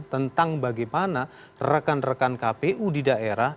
tentang bagaimana rekan rekan kpu di daerah